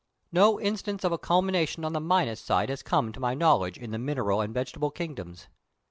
No instance of a culmination on the minus side has come to my knowledge in the mineral and vegetable kingdoms.